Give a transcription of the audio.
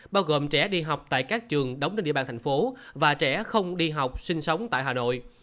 bao gồm trẻ đi học tại các trường đóng trên địa bàn thành phố và trẻ không đi học sinh sống tại hà nội